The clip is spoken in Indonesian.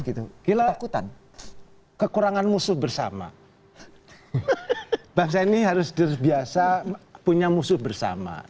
begitu sensitif gitu kekurangan musuh bersama bangsa ini harus biasa punya musuh bersama